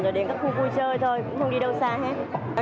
rồi đến các khu vui chơi thôi